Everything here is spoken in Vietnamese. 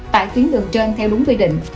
tại tuyến đường trên theo đúng quy định